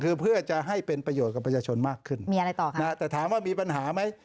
คือเพื่อจะให้เป็นประโยชน์กับประชาชนมากขึ้นมีอะไรต่อค่ะนะฮะแต่ถามว่ามีปัญหาไหม